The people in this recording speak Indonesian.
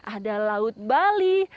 ada laut bali